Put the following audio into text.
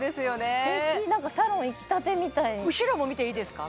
素敵サロン行きたてみたい後ろも見ていいですか？